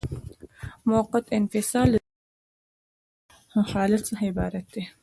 موقت انفصال د تعلیق له حالت څخه عبارت دی.